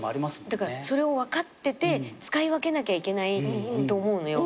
だからそれを分かってて使い分けなきゃいけないと思うのよ